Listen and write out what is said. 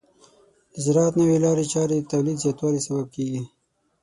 د زراعت نوې لارې چارې د تولید زیاتوالي سبب کیږي.